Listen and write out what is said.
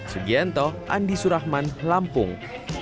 segian toh andi surahman lampung